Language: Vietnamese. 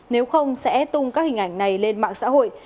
nếu không sẽ tung các hình ảnh này lên mạng xã hội